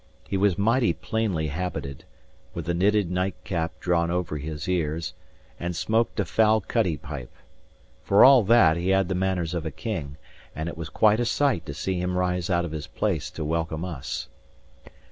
He was mighty plainly habited, with a knitted nightcap drawn over his ears, and smoked a foul cutty pipe. For all that he had the manners of a king, and it was quite a sight to see him rise out of his place to welcome us.